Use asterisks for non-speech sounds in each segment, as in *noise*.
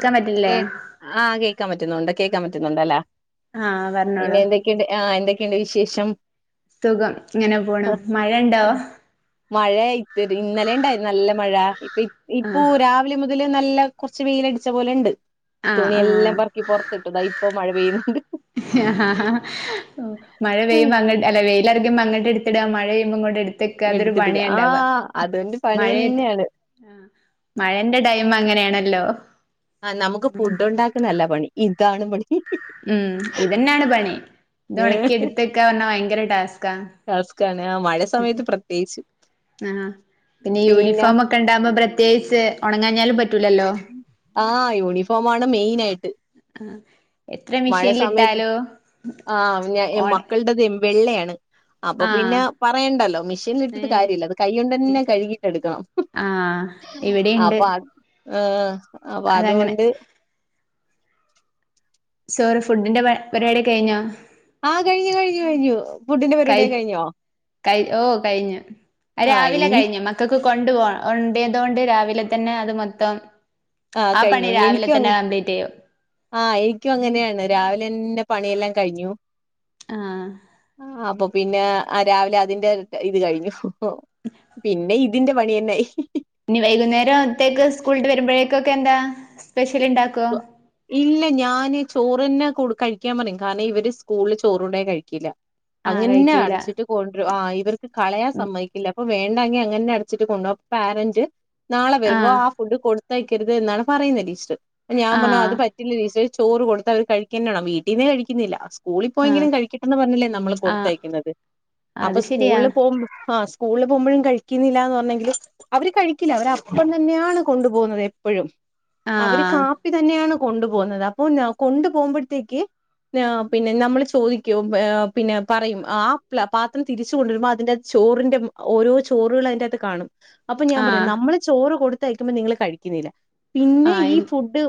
ക്കാൻ പറ്റില്ലേ കെ ആഹ് കേക്കാ പറ്റുന്നുണ്ട് കേക്കാ പറ്റുന്നുണ്ട് ലേ ആഹ് പിന്നെ പറഞ്ഞോളൂ എന്തൊക്കെണ്ട് ആഹ് എന്തൊക്കെണ്ട് വിശേഷം സുഖം ങ്ങനെ പോണ് മഴണ്ടോ മഴ ഇത് പി ഇപ്പൊ ആഹ് രാവിലെ മുതലെ നല്ല കുറച്ച് വെയിലടിച്ച പോലെണ്ട് തുണിയെല്ലാം ആഹ് പെർക്കി പുറത്തിട്ടുതാ ഇപ്പ മഴ പെയ്യുന്നുണ്ട് ആഹ് മഴ പെയ്യുമ്പ അങ്ങ ത്തക്കാ അതൊരു എടുത്തിട്ടില്ല പണിയണ്ടാവ ആഹ് അതുകൊണ്ട് പണി മഴയത്ത് തന്നെയാണ് ആഹ് മഴന്റെ ടൈം അങ്ങനെണല്ലോ ആ നമുക്ക് ഫുഡ് ഉണ്ടാക്കണല്ല പണി ഇതാണ് പണി ഹ് ഉം ഇതന്നെയാണ് പണി ഇത് ഏഹ് ഒണക്കി ട്ത്തക്കാ പറഞ്ഞ വയങ്കര ടാസ്ക ടാസ്കാണ് ആ മഴ ച ആഹ് പിന്നെ യൂനിഫോമൊക്കെ ണ്ടാവുമ്പോ പ്രത്യേകിച്ച് ഒന്നങ്ങാഞ്ഞാലും പറ്റൂലല്ലോ ആണ് മെയ്ൻ എത്ര മഴ സമയത്ത് മെഷീനിലിട്ടാലും ആഹ് ഞാ ഓണ മക്കൾത് വെള്ളയാണ് അപ്പൊ പിന്നെ ആഹ് പറയണ്ടല്ലോ മിഷീനിൽ ഏ ഇട്ടിട്ട് കാര്യല്ല അത് കൈയൊണ്ടന്നെ കഴുകീട്ടെടുക്കണം ആഹ് ഇവിടെയുണ്ട് അപ്പൊ അത് ഹ് അപ്പൊ അതങ്ങനെ അതോണ്ട് സോറി ഫുഡിന്റെ പര് പരിപാടിയൊക്ക കഴിഞ്ഞോ ആഹ കഴിഞ്ഞു കഴിഞ്ഞു കഴിഞ്ഞു ഫുഡിന്റെ കൈ പരിപാടിയൊക്കെ കഴിഞ്ഞോ കൈ ഓ കഴിഞ്ഞു ആ രാവിലെ ഇനി കഴിഞ്ഞു മക്കൾക്ക് സ്‌കു കൊണ്ടു പോ ണ്ട്യ തോണ്ട് രാവിലെ തന്നെ അത് മൊത്തം ആ പണി രാവിലെ തന്നെ കംപ്ലീറ്റയ്യും ആഹ എൻക്കും അങ്ങനെയണ് രാവിലെ ന്നേ പണിയെല്ലാം കഴിഞ്ഞു ആഹ ഒ അപ്പൊ പിന്നെ ആ രാവിലെ അതിന്റെ ഇ ഇത് കഴിഞ്ഞു ഹ് പിന്നെ ഇ തിന്റെ പണിയന്നെഅയി ഇനി വൈകുന്നേരം ത്തേക്ക് സ്കൂളിട്ട് വരുമ്പോഴേതേക്ക് ന്താ സ്പെഷ്യൽ ഇണ്ടാക്ക ഇല്ല ഞാന് ചോറ്ന്നെ കൊട് കഴിക്കാൻ പറയും കാരണം ഇവര് സ്കൂളില് ചോറണ്ടയ കഴികില്ല ആഹ് അങ്ങനേ കഴിക്കൂല അടച്ചിട്ട് കൊണ്ട്രും ആ് ഇവർക്ക് കളയാൻ സമ്മയ്ക്കില്ല വേണ്ടങ്കി അങ്ങനേ അടച്ചിട്ട് കൊണ്ടോരു പാരന്റ് നാളെ വരുമ്പോ ആഹ് ആ ഫുഡ് കൊടു കരുത് ന്നാണ് പറയുന്ന് ടീച്ചർ അപ്പൊ ഞാ പർഞ്ഞു ആഹ് അ ച്ചറെ ചോറ് കൊടുത്ത അവര് കഴിക്കന്നെണം വീട്ടീന്നെ കഴിക്കുന്നില്ല സ്കൂളി ആഹ് പോയെങ്കിലും കഴിക്കട്ടന്ന് പറഞ്ഞല്ലേ നമ്മള് ആഹ് കൊടുത്തയക്കുന്നത് അത് അപ്പൊ ശരിയാ സ്കൂളിൽ പോകുമ്പോ ആ സ്കൂ സ്കൂളിപോകുമ്പോഴും കഴിക്കുന്നില്ല ന്ന് പറഞ്ഞെങ്കില് അവര് കഴിക്കില്ല അവര് അപ്പം തന്നെയാണ് കൊണ്ടു പോകുന്നത് എപ്പോഴും അവര് ആഹ് കാപ്പി തന്നെയാണ് കൊണ്ടു പോകുന്നത് അപ്പൊ ഞ കൊണ്ടു പോകുമ്പോഴത്തേക്ക് പിന്നെ അ പിന്നെ നമ്മൾ ചോദിക്കും ആ പിന്നെ പറയും ആ് പാത്രം തിരിച്ച കൊണ്ടുവരുമ്പോ അതിന്റെ ചോ ചോറിൻ്റെ ഓരോ ചോറോള് അതിൻ്റകത്ത് കാണും അപ്പൊ ഞാൻ പറയുന്നു ആഹ് നമ്മള് ചോറ് കൊടുത്തയക്കുമ്പോ നിങ്ങള്ൾ കഴിക്കുന്നില്ല പിന്നെ ഈ ആഹ് ഫുഡ്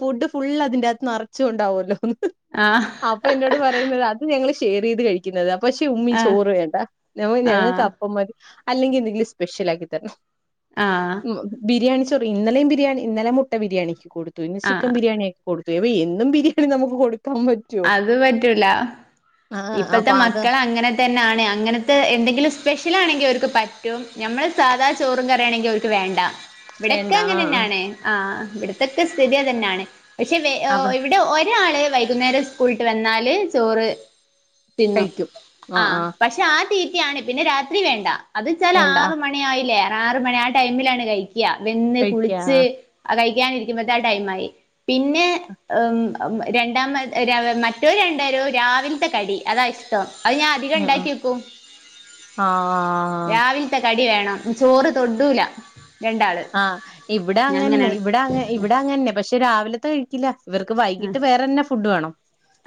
ഫുഡ് ഫുൾ അതിന്റെകത്ത് നിറച്ചുകൊണ്ടാവുമല്ലോന്ന് ആഹ് അപ്പൊ എന്നോട് പറയുന്നത് അത് ഞങ്ങള് ചറിയ്ത് കഴിക്കുന്നത് പക്ഷേ ഉമ്മി ആഹ് ചോറ് വേണ്ട മ്മ ഞങ്ങൾക്ക് ആഹ് അപ്പമാതി അല്ലെങ്കിൽ എന്തെിലും സ്പെശ്യാൽ ആക്കി തരണം. ആഹ് ബിരിയാണി ബിരിണി ഇന്നലെ മുട്ട ബിരിയാണിക്ക് കൊടുത്തു ക്ക ആഹ് ബിരിയാണിയക്ക കൊടുത്തു അ എന്നും ബിയാണി നമുക്ക് കൊടു അത് പറ്റൂല ആഹ് ഇപ്പഴത്തെ അപ്പൊ അത് മക്കൾ അങ്ങനെ തന്നൊണ് അങ്ങനത്തെ എന്തെങ്കിലും സ്യ ലാണെങ്കിൽ അവർക്ക് പറ്റും നമ്മൾ സാധാ ചോറും കറി ആണെങ്കിൽ അവർക്ക് വേണ്ട ഇവിടൊക്കെ വേണ്ട അങ്ങനെ ആഹ് ആഹ് തന്നെയാണ് ആ ഇവിടത്തക്കെ സ്ഥിതി അതന്നെയാണ് പക്ഷെ അവ ഇവിടെ ഒരാളെ വൈകുന്നേരം സ്കൂളട്ട് വന്നാല് ചോറ് തിന്നു കഴിക്കും ആ ആഹ് ആഹ് പക്ഷെ ആ തീറ്റയാണ് പിന്നെ രാത്രി വേണ്ട അത് വെച്ചാൽ വേണ്ട ആറ മണി ആയില്ലേ ആറ മണി ആ ടൈമിലാണ് കഴിക്കും വെന്ന് കഴിക്ക കുളിച്ച് ആഹ് ക ആ ടൈ ആയി. പിന്നെ രണ്ടാമ മറ്റവരു രണ്ടരും രാവിലത്തെ കടി അതാ ഇഷ്ടം അത് ഞാൻ അധികം ആഹ് ഉണ്ടാക്കി വെക്കൂ ആഹ് രാവിലത്തെ കടി വേണം ചോറ് തൊടുല ആഹ് ഇവിടെ അങ്ങനെ ഇവിടെ അ ഇവിടെ അങ്ങന്നെ പക്ഷെ രാവിലത്തെ കഴിക്കില്ല ഇവർക്ക് വൈകിട്ട് വേറെന്ന ഫുഡ് വേണം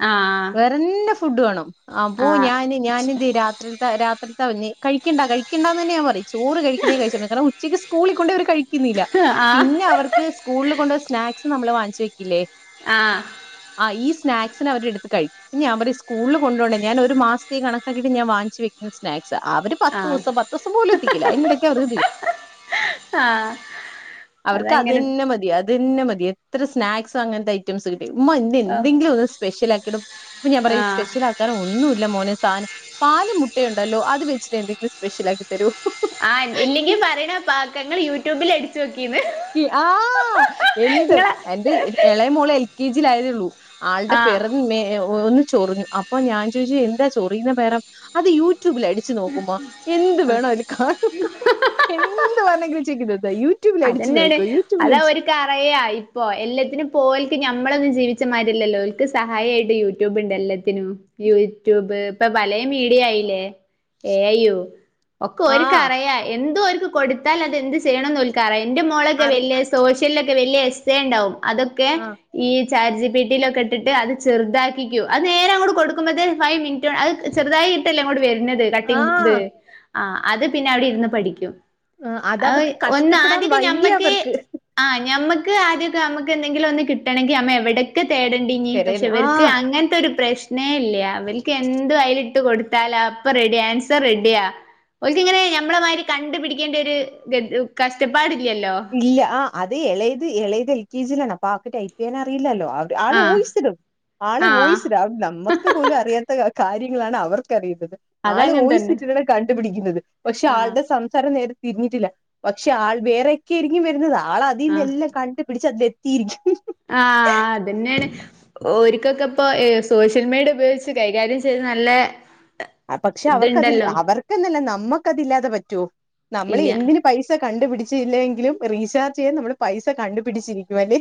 ആ വേറെന്ന ഫുഡ് വേണം ആ പോ ഞാന് ഞാനെന്ന്ത് രാത്രിത്തെ രാത്രിത്ത കഴിക്കണ്ട കഴിക്കണ്ടാന്ന് തന്നെ ഞാൻ പറ ചോറ് കഴിക്കുന്നഴിച്ച കണംച്ചക്ക് സ്കളിൽണ്ട് അവ ന്നില്ല ആ പിന്നെ അവർക്ക് സ്കൂളിൽ കൊണ്ട് സ്നാക്സ് നമ്മള് വാങ്ങിച്ചു വെക്കില്ലേ ആ ആ ഈ സ്നാക്സിന് അവരെ എടുത്ത് കഴിക്കും പിന്ന ഞൻ പറ സ്കൂളിൽ കൊണ്ട ഞാൻ ഒരു മാസത്തെ കണക്കാക്കിട്ട്ഞാൻ വാങ്ങിച്ച് വചാ സ്നക്സ് പക്ഷ അവര് ആ പത്ത് ദിവസം പത്ത് ദിവസം പോലും എത്തിക്കില്ല അതിനിടക്ക് അവറുതി ആ അവർക്ക് അതങ്ങനെ അതനെ മതി അതനെ മതി എത്ര സ്നാക്സും അങ്ങനത്തെ ഐറ്റംസ് കി ഉമ്മ ഇന്ന് എന്തെങ്കിലും ഒന്ന് സ്പെഷ്യൽ ആക്കിടുംപ്പൊ ഞാൻ പറയാ ആ സ്പെഷ്യൽ ആക്കാൻ ഒന്നും ഇല്ല മോനെ സാധനം പാല് മുട്ടയുണ്ടല്ലോ അത് വച്ചി്ട്ടെന്തെങ്കിലും സ്പെഷ്യൽ ആക്കി തരോ ആ ഇല്ലെങ്കിൽ പറയണ പാക്കങ്ങൾ യൂട്യൂബിൽ അടിച്ചു വെക്ക ആ എന്ത് ഇങ്ങള എന്റെ ഇളയ മോളെ എൽ കെ ജിയില ആയതേള്ളൂ ആളുടെ ആഹ് പിറന്ന് മേ ചൊറിഞ്ഞു അപ്പൊ ഞാൻ ചോയിച്ചു എന്താ ചോറിയുന്ന *unintelligible* അത് യൂ യുട്യൂബിൽ അടിച്ച് നോക്കുമ്പോ എന്ത് വേണോ അതിൽ കാണും എന്ത് വേണെങ്കിലും ചെക്കയ് യൂട്യൂബില് അടി തെന്നെയാണ് അതവര്ക്കറിയാ ഇപ്പോ എല്ലത്തിനുപ്പോല് ഞമ്മളൊന്നും ജീവിച്ചമാരില്ലല്ലോ ഒല്ക്ക് സഹായിയായിട്ട് യൂട്യൂബ്ണ്ട് എല്ലത്തിനും യൂട്യൂബ് ഇപ്പൊ പലേ മീഡിയ ആയില്ലേ എഐയു ഒക്കെ ആ ഒര്ക്കറിയ എന്തോവര്ക്ക് കൊടുത്താൽ അത് എന്ത് ചെയ്യണന്ന് ഒല്ക്കറിയ് എന്റെ മോളൊക്കെ അറി വല്ല്യ സോഷ്യലൊക്കെ വല്യാ എസ്എ ഇണ്ടാവും അതൊക്കെ ആഹ് ഈ ചാറ്റ്ജിപിട്ടിലൊക്കെ ഇട്ട്ട്ട് അത് ചെറുതാക്കിക്കൂ അത് നേരെ അങ്ങട്ട് കൊടുക്ക്മ്പോത്തേന് ഫൈവ് മിനിറ്റൊ അത് ചെറ്തായി ക്കിട്ടല്ലേ ഇങ്ങോട്ട് വര് ന്നത് കട്ടിങ്‌ ത് ആഹ് അത് പിന്നെ അവിടെര്ന്ന് പഠിക്കും അഹ് അതവർക്ക് കഷ്ടപ്പെടാൻ ആദ്യക്കെ വയ്യ ഞമ്മക്ക് അവർക്ക് ആ ഞമ്മക്ക് ആദ്യൊക്കെ നമുക്ക് എന്തെങ്കിലൊന്ന് കിട്ടണെങ്കി നമ്മ എവിടെക്കെ തേടേണ്ടിനി പക്ഷെ പെരേന്ന് ഇവര്ക്ക് ആഹ് അങ്ങനത്തെൊര് പ്രശ്നേല്ല അവല്ക്ക് എന്ത് അയിലിട്ട് കൊട്ത്താലപ്പൊ റെഡ്യാ ആൻസർ റെഡിയാ ഓല്ക്ക്ങ്ങനെ ഞമ്മളെമ്മാരി കണ്ട്പിടിക്കേണ്ടോര് ഗ കഷ്ടപ്പാട് ഇല്ല ആ അത് എളേത് എളേത് എൽ കെ ജിയിലാണ് അപ്പൊവക്ക് ടൈപ്പേയ്യാൻ അറീലല്ലോ അവ ആള് ആഹ് വോയിസ്ടും ആള് ആഹ് വോയിസ്ടും അവ നമ്മക്ക് പോലും അറിയാത്ത ക കാര്യങ്ങളാണ് അവർക്കറിന്നത് ആള് അതങ്ങനെ തന്നെ വോയിസിട്ടാണ് കണ്ട്പിടിക്ക്ന്നത് പക്ഷെ ആഹ് ആള്ടെ സംസാരം നേര തിരിഞ്ഞിട്ടില്ല പക്ഷെ ആൾ വേറെക്കെയിരിക്കും വര്ന്നത് ആൾ ആഹ് അതിന്നെല്ലാ കണ്ട് പിടിച്ച് അതില് എത്തിയിരിക്കും ഓര്കൊക്കെ ഇപ്പൊ ഏഹ് സോഷ്യൽ മീഡിയ ഉപയോഗിച്ച് കൈകാര്യം ചെയ്ത് നല്ല പക്ഷെ അവർക്കതി ഇതുണ്ടല്ലോ അവർക്കെന്നല്ല നമ്മക്കതില്ലാതെ പറ്റോ നമ്മളീ ഇല്ല എന്തിന് പൈസ കണ്ടുപിടിച്ചില്ലേങ്കിലും റീചാർജ്‌യ്യാന് നമ്മള് പൈസ കണ്ടു പിടിച്ചിരിക്കു അല്ലെ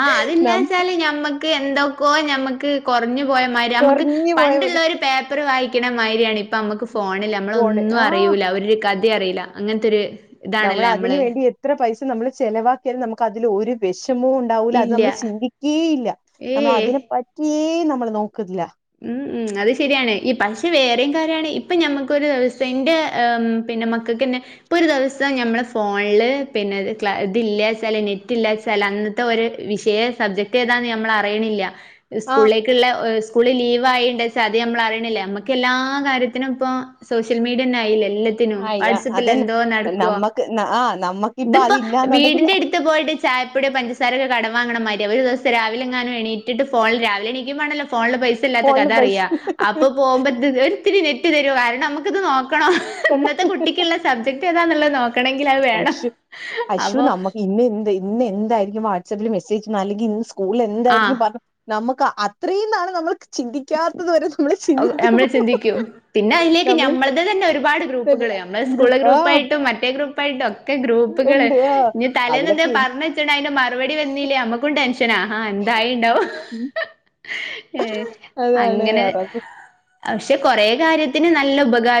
ആഹ് നം അതില്ലാച്ചാല് ഞമ്മക്ക് എന്തൊക്കോ ഞമ്മക്ക് കൊറഞ്ഞ് പോയമാരി നമ്മക്ക് കൊറഞ്ഞു പ പോയ പോലെ ണ്ട്ള്ളോര് പേപ്പറ് വായി *unintelligible* മാരിയാണ് ഇപ്പമ്മക്ക് ഫോണില് ഫോണ് നമ്മളൊന്നും ആഹ് അറിയൂല ഒര് കഥെ അറീല അങ്ങൻത്തൊര് നമ്മളതിന് വേണ്ടി എത്ര പൈസ നമ്മള് ചെലവാക്കിയാലും നമ്മക്ക് അതില് ഒര് വെശ മംണ്ടാവൂല അത് ഇല്ല നമ്മള് ചിന്തിക്കേയില്ല ഏയ് നമ്മളതിനെ പറ്റിയേ നമ്മള് നോക്ക്ല്ല ഉം ഉം അത് ശരിയാണ് ഇ പക്ഷെ വേറെം കാര്യാണ് ഇപ്പൊ ഞമ്മക്കൊര് സെന്റ് ഉം പിന്നെ മക്കക്കെന്നെ ഇപ്പൊരു ദിവസം ഞമ്മള് ഫോണ്ല് പിന്നെ ക്ല ഇതില്ലാച്ചാല് നെറ്റ് ഇല്ലാച്ച അന്നത്തെ ഒര് വിഷയെ സബ്ജെക്റ്റേതാ ഞമ്മളറീണില്ല ആഹ് സ്കൂളിലേക്ക്ള്ള ഒ സ്കൂള് ലീവായിണ്ട്ച്ചാ അത് നമ്മളറീണില്ല ഞമ്മക്കെല്ലാ കാര്യത്തിനും ഇപ്പൊ സോഷ്യൽ മീഡിയെന്നായിലെ എല്ലത്തിനും ആയി ആഹ് വാട്സ്പ്പിൽ അതന്നെ എന്തോ നടക്കൊ നമ്മക്ക് ആഹ് നമ്മക്കിപ്പ ഇത്പ്പോ അതില്ലാന്നുണ്ടെങ്കിൽ വീടിന്റെട്ത്ത് പോയിട്ട് ചായപ്പൊട്യോ പഞ്ചസാരൊക്കെ കടം വാങ്ങ്ണമാരിയ ഒരു ദിവസം രാവിലെങ്ങാനും എണീറ്റ്ട്ട് ഫോണ്ല് രാവിലെ എണിക്കുമ്പോണല്ലോ ഫോണില് പൈസ ഇല്ലാത്ത ഫോണില് പൈസ കഥറിയാ അപ്പൊ പോവുമ്പൊ ഇത് ഒര്ത്തിരി നെറ്റ് തരൊ കാരണം നമുക്ക്ത് നോ നോക്കണം കണ്ട ഇന്നത്തെ കുട്ടിക്ക്ള്ള സബ്ജെക്റ്റേതാന്ന്ള്ളേ നോക്കണങ്കിൽ അത് വേണം അശോ അശു അപ്പൊ നമുക്ക് ഇന്ന് എന്ത് ഇന്ന് എന്തായിരിക്കും വാട്സപ്പില് മെസ്സേജ് അല്ലെങ്കി ഇന്ന് ആഹ് സ്കൂളിലെന്തായിരിക്കും പറഞ്ഞേ നമ്മ ക്ക് അത്രേയുന്നാള് നമ്മള് ചിന്തിക്കാത്തത് വരെ ന ഞമ്മള് ചിന്തിക്ക്യും പിന്നെ അയിലേക്ക് നമ്മള് ഞമ്മളത് തന്നെ ഒര് പാട് ഗ്രൂപ്പുകള് ഞമ്മളെ സ്കൂളിലെ ഗ്രൂപ്പ് ആ ഗ്രൂപ്പായിട്ടും മറ്റെ ഗ്രൂപ്പായിട്ടൊ ക്കെ ഗ്രൂപ്പുകള് ഉണ്ട് ആ ഇനി തലേന്നെന്തെ അതിലൊക്കെ പറഞ്ഞ് വെച്ച്ണ്ടെ അയിന്റെ മറുപടി വെന്നീല്ലേ ഞമ്മക്കും ടെൻഷ ൻഷനാ ഹാ എന്തായിണ്ടാവും ഏഹ് അതാണ് അങ്ങനെ പക്ഷെ കൊറെ കാര്യത്തിന് നല്ല ഉപകാ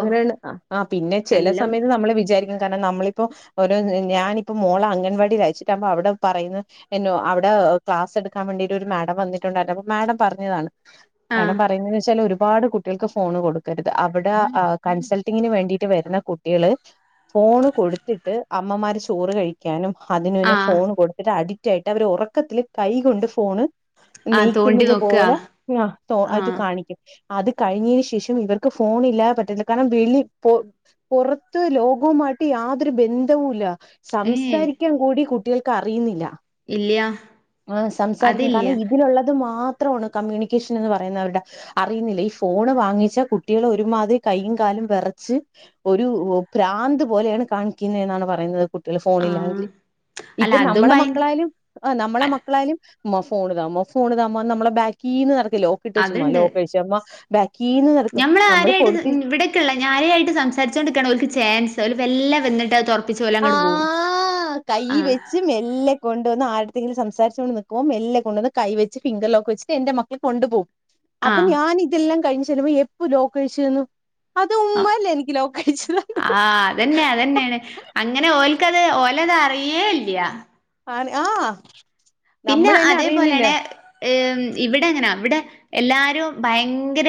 അങ്ങനേണ് ആ പിന്നെ ചെല സമയത്ത് നമ്മള് വിചാരി ക്കാണ്‌ നമ്മളിപ്പൊ ഒര് ഞാനിപ്പൊ മോളെ അംഗൻവാടിലയച്ചിട്ടാവുമ്പോ അവ്ടെ പറയ്ന്ന നോ അവ്ടെ ക്ലാസ്സ് എടുക്കാൻവേണ്ടീട്ട് ഒര് മാഡം വന്നിട്ട്ണ്ടായിരുന്നു അപ്പം മാഡം പറഞ്ഞതാണ് ആ മാഡം പറയുന്നെന്ന് വെച്ചാല് ഒരുപാട് കുട്ടികൾക്ക് ഫോണ് കൊട്ക്കരുത് അവ് ടെ കൺസൾട്ടിങ്ങ്ന് വേണ്ടീട്ട് വരുന്ന കുട്ട്യാള് ഫോണ് കൊട്ത്തിട്ട് അമ്മമാര് ചോറ് കഴിക്കാനും ആ അതിനുന് ഫോണ് കൊടുത്തിട്ട് അഡിക്റ്റായിട്ട് അവര് ഒറക്കത്തില് കൈകൊണ്ട് ഫോണ് ആ തോണ്ടി നീക്ക്ന്നത് നോക്കുക പോലെ ആഹ് ആ അത് കാണിക്കും അത് കഴിഞ്ഞീന് ശേഷം ഇവർക്ക് ഫോണ് ഇല്ലാതെ പറ്റതില്ല കാരണം വെളി പൊ പൊറത്ത് ലോകവുമായിട്ട് യാതൊരു ബന്ധവുമില്ല ഏ സംസാരിക്കാൻ കൂടി കുട്ടികൾക്ക് അറിയ്ന്നില്ല ഇല്ല ആഹ് സംസാരിക്കും അതില്ല കാരണം ഇതിലുള്ളത് മാ ത്രാണ് കമ്യൂണിക്കേഷൻ എന്ന് പറയുന്ന അവർടെ അറിയ്ന്നില്ല ഫോണ് വാങ്ങിച്ച കുട്ടീള് ഒ ഒരുമാതിരി കയ്യും കാലും വെറച്ച് ഒര് ഭ്രാന്ത് പോലേണ് കാണിക്ക്ന്നെന്നാണ് പറയുന്നത് കുട്ടിള് ആ അല്ല ഫോണില്ലാങ്കില്ഇപ്പൊ അതും നമ്മള ഭയ മക്കളായാലുംആഹാ നമ്മളെ മക്കളായാലും ഉമ്മ ഫോണ് താമ്മ ഫോൺ താമ്മ നമ്മളെ ബാക്കീന്ന് നടത്തല്ലെ ലോക്ക് ഇട്ട് വെച്ചുമ്മ അതുണ്ട് ലോക്കഴിച്ചാമ്മ കീന്ന് നിർത്തും താരെ ആയിട്ട്ത് ഇവിടെക്ക്ള്ള ഞാരെയായിട്ട് സംസാരിച്ചോണ്ട്ക്കാണ് ഓൽക് ചാൻസ് വെല്ല വന്ന്ട്ടത് തൊറ ആഹ് കയ്യ് ആഹ് വെച്ച് മെല്ലെ കൊണ്ട് വന്ന് ആൾ എന്തെങ്കിലും സംസാരിച്ചോണ്ട് നിക്ക്മ്പൊ മെല്ലെ കൊണ്ട് വന്ന് കൈ വെച്ച് ഫിംഗർ ലോക്ക് വെച്ച്ട്ട് എന്റെ മക്കള് കൊണ്ട്പോകും അപ്പൊ ആഹ് ഞാൻ ഇതെല്ല കഴിഞ്ഞ് ചെല്ലുമ്പൊ എപ്പൊ ലോക്കഴിച്ച്ന്ന് അത് ഉമ്മല്ലെ എനിക്ക് ലോക്കഴിച്ച് തന്ന് ആഹ് അതന്നെ അതന്നേണ് അങ്ങനെ ഓല്ക്കത് ഓലത് അറിയേല്ല ആഹ് പിന്നെ അതേപോലേണ് ഏ ഇവിടങ്ങനാ ഇവിടെ എല്ലാരുംഭയങ്കര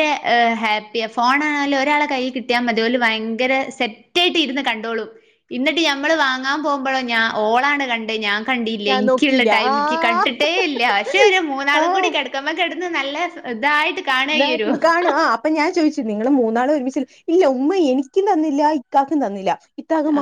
ഹാപ്പി ഫോണായാലും ഒരാളെകൈയിൽ കിട്ടിയാമതി ഓല് ഭയങ്കര സെറ്റായിട്ടിരുന്നുകണ്ടോളും എന്നിട്ടുഞമ്മളുവാങ്ങാൻ പോകുമ്പോളോ ഞാൻ ഓളാണ്കണ്ടേ ഞാൻ കണ്ടില്ല ഞാൻ എനിക്കുള്ള നോക്കിയില്ല ആ ടൈമ് കണ്ടിട്ടേയില്ലപക്ഷേ ഒരു മൂന്നാളും ആ കൂടി കിടക്കുമ്പംകിടന്നുനല്ലതായിട്ട് കാണും ആഅപ്പൊ ഞാൻ ചോദിച്ചു നിങ്ങളു മൂ മൂന്നാളുമൊരുമിച്ചിരുന്ന്, ഇല്ല ഉമ്മയെനിക്കും തന്നില്ല ഇക്കാക്കും തന്നില്ല.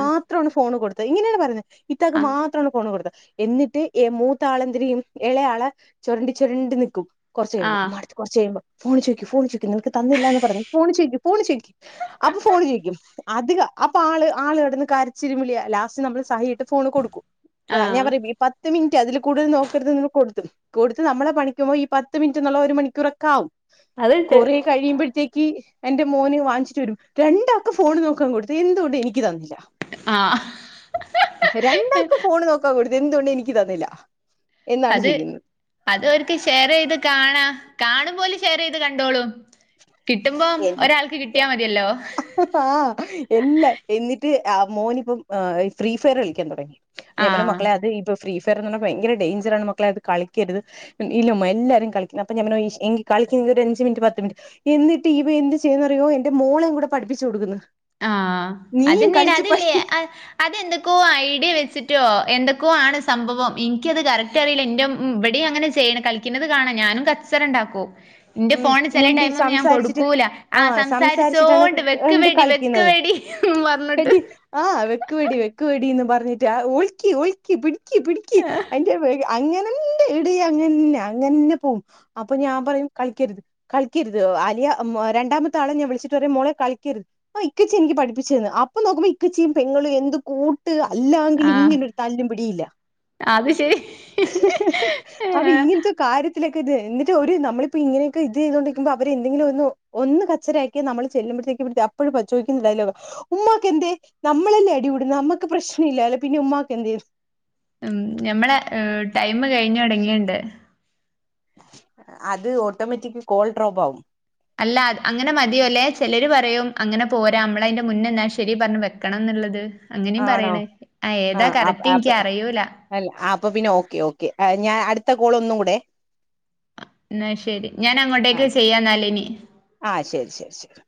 ആഹ് ഫോണ്കൊടുത്ത ഇങ്ങനെയാണു പറയുന്നത് ഇത്താക്കു ആഹ് മാത്രമാണ് ഫോണ് കൊടുത്തേ എന്നിട്ട് ഏ മൂത്താളെന്തെരിയും ഇളയാളെചൊരണ്ടി ചൊരണ്ടി നിൽക്കും കുറച്ചുകഴിയുമ്പോ മടുത്തു കുറച്ചു കഴിയുമ്പോ ഫോണ്ചോദിക്ക്, ഫോണ് ചോദിക്ക്, നിനക്ക് തന്നില്ലാന്ന് പറഞ്ഞ്. ഫോണു ചോദിക്ക് ഫോണുചോദിക്കും അപ്പൊ ഫോണ് ചോദിക്കും അധികം അപ്പൊ ആള് ആള് അവിടിരുന്ന് കരച്ചിലും വിളിയല്ലാ ഫോണു കൊടുക്കും ആഹ് ഞാൻപറയും ഈ പത്തു മിനി അതിൽക്കൂടുതൽ നോക്കരുതെന്ന്, കൊടുക്കും. കൊടുത്തു നമ്മടെ പണിക്കു പോം ഈ പത്തുമിനിറ്റെന്നുള്ള ഒരു മണിക്കൂറൊക്കെ ആകും. അതുണ്ട് കൊറെ കഴിയുമ്പോളത്തേക്ക് എന്റെ മോന്‌ വാങ്ങിച്ചിട്ടു വരും. രണ്ടാൾക്കും ഫോണ് നോക്കാൻ കൊടുത്തു എന്തുകൊണ്ടെനിക്കുതന്നില്ല. ആഹ് രണ്ടാൾക്കും ഫോണ് നോക്കാൻ കൊടുത്തു. എന്തുകൊണ്ടെനിക്കുതന്നില്ല. അത്, അതവർക്കു ഷെയർചെയ്തുകാണാം. കാണുംപോലെ ഷെയർചെയ്ത് കണ്ടോളൂ ആ എല്ലാമെന്നിട്ട് ആ, മോനിപ്പം ഫ്രീഫയർ കളിക്കാൻ തുടങ്ങി ആഹ് ഞമ്മുടെമക്കളെയതിപ്പം ഫ്രീഫയറെന്നുപറഞ്ഞാൽ ഭയങ്കരഡേഞ്ചറാണ് മക്കളെ അതുകളിക്കരുത്. ഇല്ലമ്മ എല്ലാവരും കളിക്കുന്നതാ അപ്പ ഞങ്ങള് ഈ കളി അഞ്ചുമിനിറ്റ് പത്തുമിനിറ്റ് എന്നിട്ട് ഇവനെന്തുചെയ്തെന്നറിയുമോയെന്റെ മോളേയും കൂടെ പഠപ്പിച്ചു കൊടുക്കുന്നു. കൊടുക്കുന്നു ആ അതനെയാണ് അതില്ലേ അതെന്തൊക്കെ ഐഡി വെച്ച് മറ്റെന്തൊക്കയോയാണ് സംഭവം. എനിക്കത് കറക്റ്ററിയില്ല എന്റെ ഇവിടെയുമങ്ങനെ ചെയ്യുന്ന കളിക്കുന്നതുകാണാം ഞാനാ ഞാനുംകച്ചറഉണ്ടാക്കും എന്റെ ഉം ഫോണ്ചില മുണ്ടി ടൈമൊന്നും ഞാൻ സംസാരിച്ചിട്ട് കൊടുക്കൂല ആ സംസാരിച്ചോണ്ട് ആ വെക്ക് വെടി ആ വെടി പറഞ്ഞിട്ട് വെടി ആ വെക്കുവെടി വെക്കു വെടീന്ന് പറ പറഞ്ഞിട്ടാഓൾക്കി ഓൾക്കി പിടിക്ക് പിടിക്ക് അതിന്റെ വേഗ അങ്ങനെയുണ്ടെടീയങ്ങനെയില്ലാ കളിക്കരുത്, കളിക്കരുത് വലിയ രണ്ടാമത്തെയാളെ ഞാൻ വിളിച്ചിട്ടു പറയുംമോളെ കളിക്കരുത് ഓ ഇക്കച്ചയെനിക്ക് പഠിപ്പിച്ചിരുന്നു. അപ്പൊ നോക്കുമ്പോളിക്കച്ചിയും പെങ്ങളും എന്ത്കൂ ട്ട് അല്ലാങ്കി ആഹ് ലിങ്ങനൊരു തല്ലും പിടിയില്ല. അത് ശെരി ത്തിലെക്കെത് എന്നിട്ട് ഒര് നമ്മളി പ്പ ഇങ്ങനെക്കെ ഇത് ചെയ്തൊണ്ടിരിക്കുമ്പോ അവരെന്തെങ്കിലുമൊന്ന് ഒന്ന് കച്ചരയാക്കിയ നമ്മള് ചെല്ലുമ്പഴത്തേക്കും *unintelligible* അപ്പഴും *unintelligible* പരിശോധിക്കുന്നുണ്ടായിരി, *unintelligible* ഉമ്മാക്കെന്തേ നമ്മളല്ലേ അടികൂടുന്നേ നമ്മക്ക് പ്രശ്നല്ലാലോ പിന്നെ ഉമ്മക്കെന്തേ ഉം ഞമ്മളെ ടൈമ് കഴിഞ്ഞൊട്ങ്ങീണ്ട് അത്ഓട്ടോമാറ്റിക് കോൾ ഡ്രോപ്പാവും അല്ല അങ്ങനെമതിയോല്ലേ ചെലോര് പ റയും അങ്ങനെ പോരാ അമ്മളയിന്റെ മുന്നേ ന്നെ ശെരി പർഞ്ഞ് വെക്കണം ന്ന്ള്ളത്. ആണോ ആ ആപ്പ് എനിക്ക് ആപ്പ് അറിയൂല അല്ല ആപ്പപിന്നെ ഓക്കെയോക്കെ അ ഞാൻ അട്ത്തകോളൊന്നുടെ. എന്നാ ശെരി ഞാനങ്ങോട്ടേക്ക് ചെയ്യാന്നാലിനി. ശെരി ശെരി